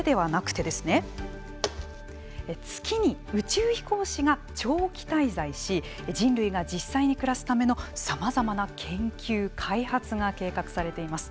月に宇宙飛行士が長期滞在し人類が実際に暮らすためのさまざまな研究開発が計画されています。